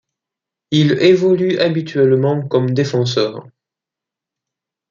Il évolue habituellement comme défenseur.